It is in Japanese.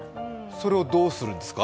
それをどうするんですか？